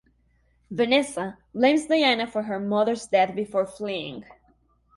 Vanessa blames Diana for her mother’s death before fleeing.